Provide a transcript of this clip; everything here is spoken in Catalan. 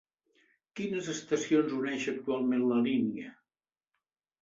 Quines estacions uneix actualment la línia?